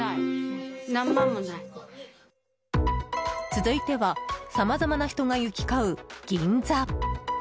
続いてはさまざまな人が行き交う銀座。